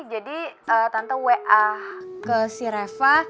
jadi tante wa ke si reva